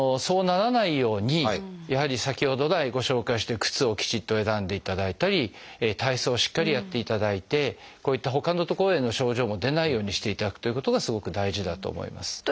そうならないようにやはり先ほど来ご紹介してる靴をきちっと選んでいただいたり体操をしっかりやっていただいてこういったほかの所での症状も出ないようにしていただくということがすごく大事だと思います。